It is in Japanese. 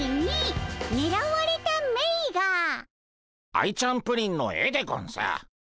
アイちゃんプリンの絵でゴンス。